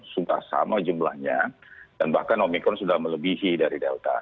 sudah sama jumlahnya dan bahkan omikron sudah melebihi dari delta